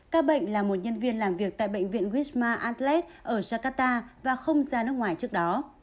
ca bệnh là một nhân viên làm việc tại bệnh viện wisma athlete ở jakarta và không ra nước ngoài trước đó